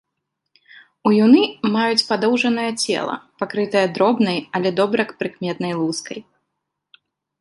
Уюны маюць падоўжанае цела, пакрытае дробнай, але добра прыкметнай лускай.